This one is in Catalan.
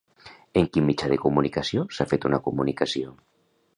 En quin mitjà de comunicació s'ha fet una comunicació?